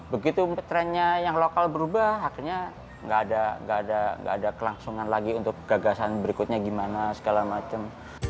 begitu trennya yang lokal berubah akhirnya nggak ada kelangsungan lagi untuk gagasan berikutnya gimana segala macam